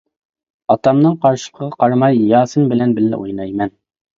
ئاتامنىڭ قارشىلىقىغا قارىماي ياسىن بىلەن بىللە ئوينايمەن.